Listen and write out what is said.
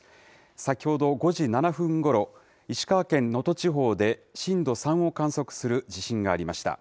先ほど５時７分ごろ、石川県能登地方で震度３を観測する地震がありました。